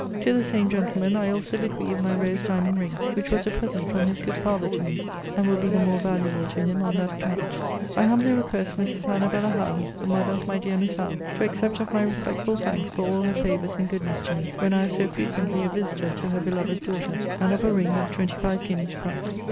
To the same gentleman I also bequeath my rose diamond ring, which was a present from his good father to me; and will be the more valuable to him on that account. I humbly request Mrs. Annabella Howe, the mother of my dear Miss Howe, to accept of my respectful thanks for all her favours and goodness to me, when I was so frequently a visiter to her beloved daughter; and of a ring of twenty five guineas price.